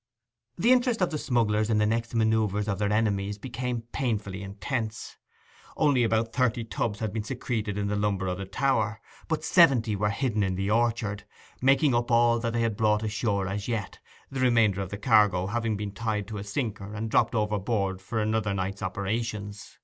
The interest of the smugglers in the next manoeuvres of their enemies became painfully intense. Only about thirty tubs had been secreted in the lumber of the tower, but seventy were hidden in the orchard, making up all that they had brought ashore as yet, the remainder of the cargo having been tied to a sinker and dropped overboard for another night's operations.